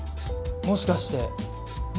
もしかしてもう？